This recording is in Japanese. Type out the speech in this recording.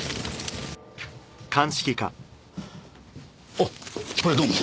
あっこりゃどうも。